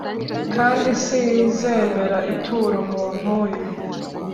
kandi sinzemera ituro muntuye